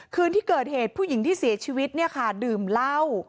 คืนที่เกิดเหตุผู้หญิงที่เสียชีวิตเนี่ยค่ะดื่มเหล้า